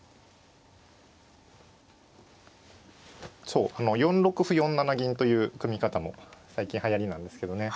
そう４六歩４七銀という組み方も最近はやりなんですけどね。